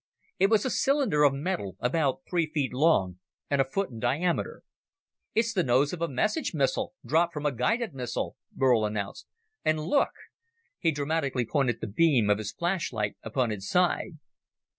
It was a cylinder of metal, about three feet long and a foot in diameter. "It's the nose of a message missile dropped from a guided missile," Burl announced. "And look!" He dramatically pointed the beam of his flashlight upon its side.